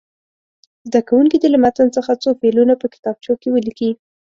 زده کوونکي دې له متن څخه څو فعلونه په کتابچو کې ولیکي.